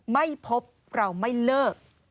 ไม่พบเราไม่เลิก